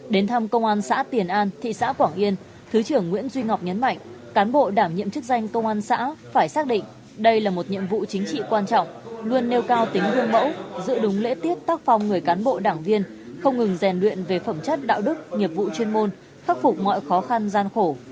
đến thăm công an xã tiền an thị xã quảng yên thứ trưởng nguyễn duy ngọc nhấn mạnh cán bộ đảm nhiệm chức danh công an xã phải xác định đây là một nhiệm vụ chính trị quan trọng luôn nêu cao tính hương mẫu giữ đúng lễ tiết tác phong người cán bộ đảng viên không ngừng rèn luyện về phẩm chất đạo đức nghiệp vụ chuyên môn khắc phục mọi khó khăn gian khổ